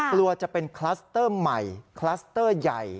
กลัวจะเป็นคลัสเตอร์ใหม่คลัสเตอร์ใหญ่